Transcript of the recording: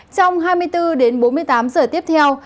trong hai mươi bốn đến bốn mươi tám giờ tiếp theo